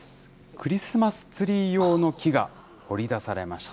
クリスマスツリー用の木が掘り出されました。